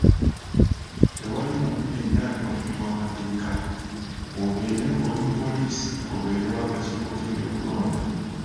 Tewali muntu yenna ali waggulu w’amateeka, k'obeere ng'oli mupoliisi k'obeere wa kakiiko k’ebyokulonda.